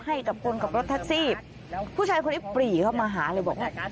ให้กับคนขับรถแท็กซี่ผู้ชายคนนี้ปรีเข้ามาหาเลยบอกว่า